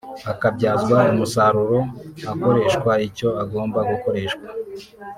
akabyazwa umusaruro akoreshwa icyo agomba gukoreshwa